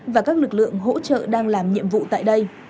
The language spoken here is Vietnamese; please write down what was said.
và các lực lượng hỗ trợ đang làm nhiệm vụ tại đây